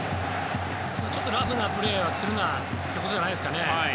ちょっとラフなプレーはするなということでしょうね。